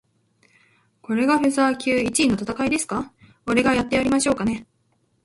これがフェザー級一位の戦いですか？俺がやってやりましょうかね。